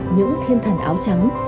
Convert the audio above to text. những thiên thần áo trắng